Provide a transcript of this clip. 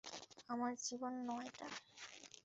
আমার জীবন নয়টা।